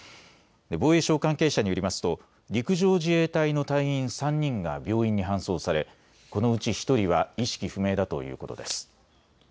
防衛省関係者によりますと陸上自衛隊の隊員３人が病院に搬送されこのうち１人は意識不明だということです。